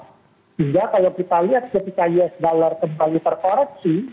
sehingga kalau kita lihat ketika usd kembali terkoreksi